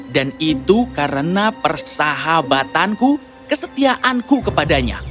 dan itu karena persahabatanku kesetiaanku kepadanya